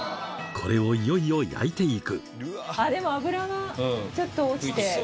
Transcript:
これをいよいよ焼いて行くでも脂がちょっと落ちて。